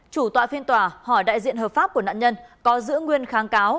chủ tọa phiên tòa hỏi đại diện hợp pháp của nạn nhân có giữ nguyên kháng cáo